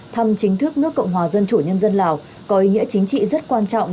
thăm chính thức nước cộng hòa dân chủ nhân dân lào có ý nghĩa chính trị rất quan trọng